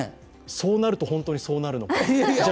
そうなると本当にそうなるのか。